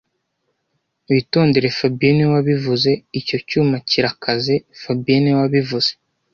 Witondere fabien niwe wabivuze Icyo cyuma kirakaze fabien niwe wabivuze